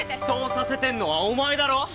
そうさせてるのはお前だろ！